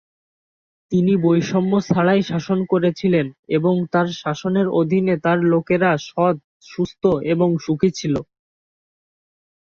তিনি বৈষম্য ছাড়াই শাসন করেছিলেন, এবং তার শাসনের অধীনে তার লোকেরা সৎ, সুস্থ এবং সুখী ছিল।